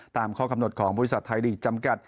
ตามข้อกำหนดของบริษัทไทยลีกจำกัด